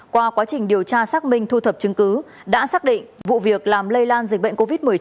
qua quá trình điều tra xác minh thu thập chứng cứ đã xác định vụ việc làm lây lan dịch bệnh covid một mươi chín